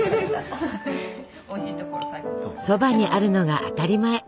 そばにあるのが当たり前。